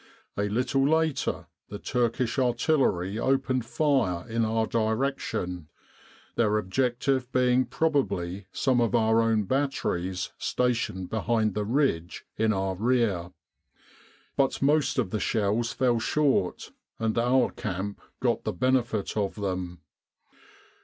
A little later the Turkish artillery opened fire in our direction, their objective being probably some of our own batteries stationed behind the ridge in our rear. But most of the shells fell short, and our camp got the benefit of them.